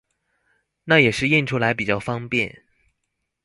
那也是印出來比較方便